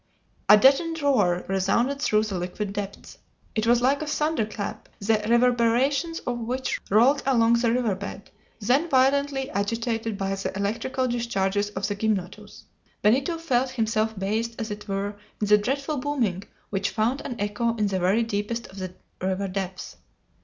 A deadened roar resounded through the liquid depths. It was like a thunder clap, the reverberations of which rolled along the river bed, then violently agitated by the electrical discharges of the gymnotus. Benito felt himself bathed as it were in the dreadful booming which found an echo in the very deepest of the river depths.